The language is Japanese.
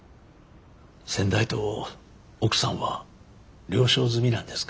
先代と奥さんは了承済みなんですか。